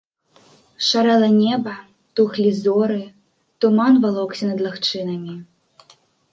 Шарэла неба, тухлі зоры, туман валокся над лагчынамі.